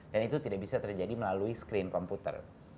dan itu tidak bisa terjadi melalui screen komputer